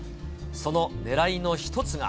そのねらいの一つが。